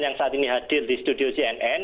yang saat ini hadir di studio cnn